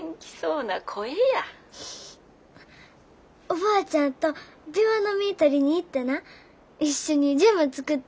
おばあちゃんとビワの実取りに行ってな一緒にジャム作ってん。